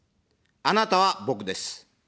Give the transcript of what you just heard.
あなたは、僕です。